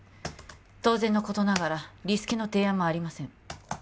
当然のことながらリスケの提案もありません